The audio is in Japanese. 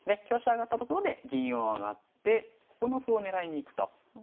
香車上がったところで銀を上がってここの歩を狙いに行くと。